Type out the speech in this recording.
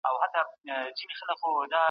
تل د خپل انساني کرامت او وقار ساتونکی اوسه.